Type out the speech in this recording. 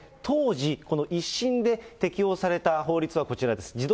当時、この１審で適用された法律はこちらです。